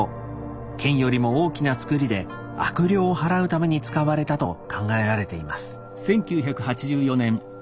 剣よりも大きな作りで悪霊を払うために使われたと考えられています。